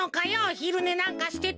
ひるねなんかしてて。